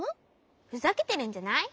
ふざけてるんじゃない？